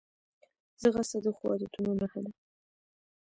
ځغاسته د ښو عادتونو نښه ده